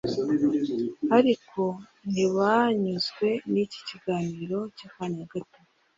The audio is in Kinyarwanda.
. Ariko ntibanyuzwe n’iki kiganiro cy’akanya gato